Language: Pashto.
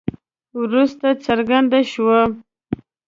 وروسته څرګنده شوه.